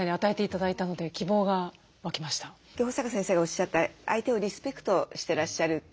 保坂先生がおっしゃった相手をリスペクトしてらっしゃるって。